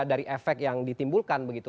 dari efek yang ditimbulkan begitu